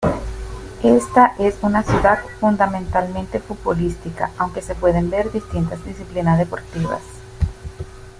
Esta es una ciudad fundamentalmente futbolística aunque se pueden ver distintas disciplinas deportivas.